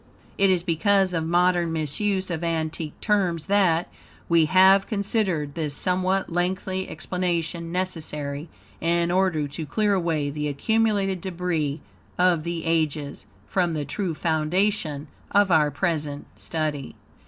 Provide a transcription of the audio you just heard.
It is because of modern misuse of antique terms that, we have considered this somewhat lengthy explanation necessary, in order to clear away the accumulated debris of the ages, from the true foundation of our present study.